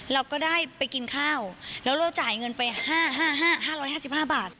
เราก็ได้ไปกินข้าวแล้วเราจ่ายเงินไปห้าห้าห้าห้าร้อยห้าสิบห้าบาท